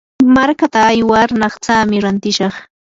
markaata aywar naqtsami rantishaq.